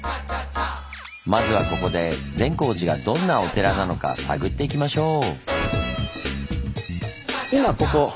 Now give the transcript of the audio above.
まずはここで善光寺がどんなお寺なのか探っていきましょう！